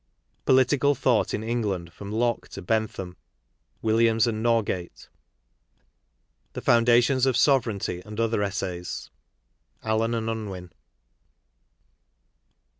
Political Thought in England from Locke to Bentham (Williams & Nor gate). The Foundations of Sovereignty and other Essays (Allen & Unwin).